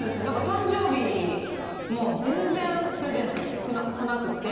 誕生日も全然プレゼント来なくって。